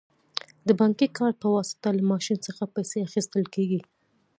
د بانکي کارت په واسطه له ماشین څخه پیسې اخیستل کیږي.